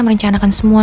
terima kasih ma